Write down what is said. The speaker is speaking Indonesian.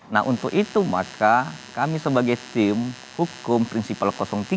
nah untuk itu maka kami sebagai tim hukum prinsipal tiga